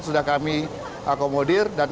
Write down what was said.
sudah kami akomodir dan